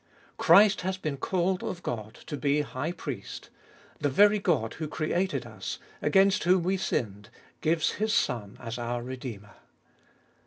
Christ has been called of God to be High Priest. The very God who created us, against whom we sinned, gives His Son as our Redeemer.